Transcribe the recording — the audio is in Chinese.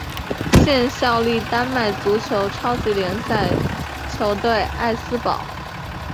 现效力丹麦足球超级联赛球队艾斯堡。